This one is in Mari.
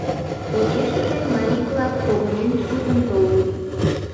Почешыже марий-влак, погынен, шукын толыт.